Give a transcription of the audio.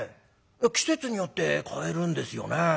季節によってかえるんですよね。